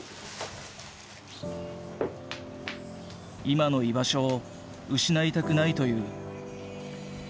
今の居場所を失いたくないという。